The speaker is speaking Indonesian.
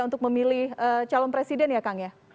untuk memilih calon presiden ya kang ya